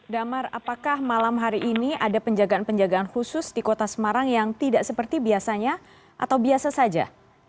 damar apakah malam hari ini ada penjagaan penjagaan khusus di kota semarang yang tidak seperti biasanya atau biasa saja